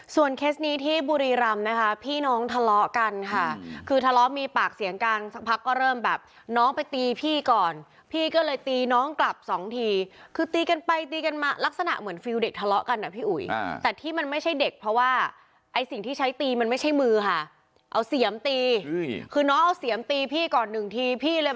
เคสนี้ที่บุรีรำนะคะพี่น้องทะเลาะกันค่ะคือทะเลาะมีปากเสียงกันสักพักก็เริ่มแบบน้องไปตีพี่ก่อนพี่ก็เลยตีน้องกลับสองทีคือตีกันไปตีกันมาลักษณะเหมือนฟิลเด็กทะเลาะกันอ่ะพี่อุ๋ยแต่ที่มันไม่ใช่เด็กเพราะว่าไอ้สิ่งที่ใช้ตีมันไม่ใช่มือค่ะเอาเสียมตีคือน้องเอาเสียมตีพี่ก่อนหนึ่งทีพี่เลย